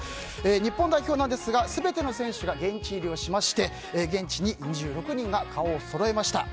日本代表ですが全ての選手が現地入りをしまして現地に２６人が顔をそろえました。